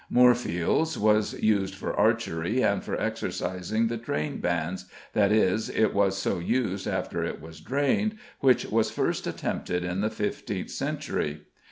Moorfields was used for archery and for exercising the train bands, that is, it was so used after it was drained, which was first attempted in the fifteenth century.